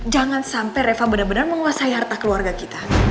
jangan sampai reva benar benar menguasai harta keluarga kita